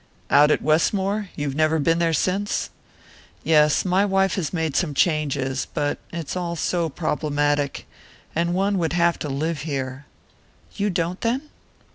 "Out at Westmore? You've never been there since? Yes my wife has made some changes; but it's all so problematic and one would have to live here...." "You don't, then?"